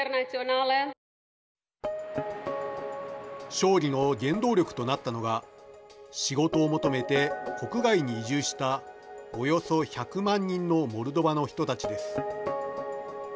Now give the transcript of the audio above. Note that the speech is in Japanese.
勝利の原動力となったのが仕事を求めて国外に移住したおよそ１００万人のモルドバの人たちです。